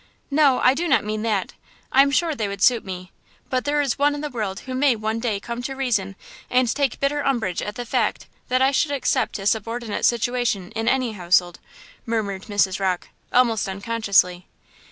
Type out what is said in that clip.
"No, I do not mean that! I am sure they would suit me; but there is one in the world who may one day come to reason and take bitter umbrage at the fact that I should accept a subordinate situation in any household," murmured Mrs. Rocke, almost unconsciously.